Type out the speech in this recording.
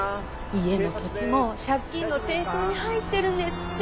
家も土地も借金の抵当に入ってるんですって。